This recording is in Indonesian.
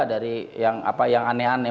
dari yang aneh aneh